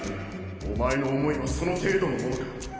お前の思いはその程度のものか？